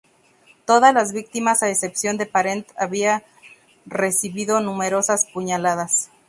Todas las víctimas, a excepción de Parent, habían recibido numerosas puñaladas.